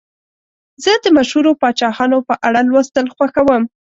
زه د مشهورو پاچاهانو په اړه لوستل خوښوم.